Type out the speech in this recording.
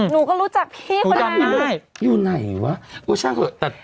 หนูก็รู้จักพี่ก็ได้รู้จักได้อยู่ไหนวะก็ช่างเถอะแต่